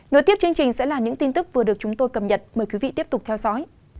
nối tiếp chương trình sẽ là những tin tức vừa được chúng tôi cập nhật mời quý vị tiếp tục theo dõi